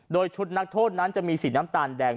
โดยชุดนักโทษนั้นจะมีสีน้ำตาลแดง